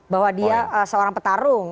bahwa dia seorang petarung